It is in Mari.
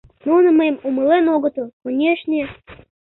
Нуно мыйым умылен огытыл, конешне...